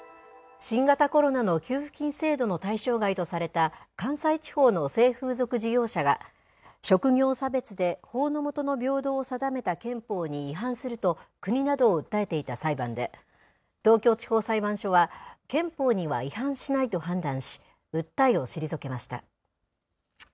新型コロナの給付金制度の対象外とされた関西地方の性風俗事業者が、職業差別で、法の下の平等を定めた憲法に違反すると、国などを訴えていた裁判で、東京地方裁判所は、憲法には違反しないと判断し、訴えを退けました。